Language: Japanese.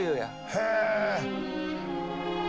へえ。